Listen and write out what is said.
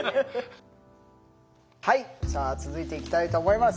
はいさあ続いていきたいと思います。